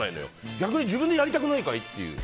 逆に自分でやりたくないかい？と。